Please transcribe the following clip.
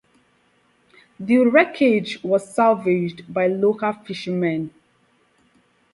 The wreckage was salvaged by local fishermen.